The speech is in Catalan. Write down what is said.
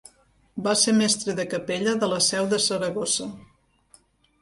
Va ser mestre de capella de la Seu de Saragossa.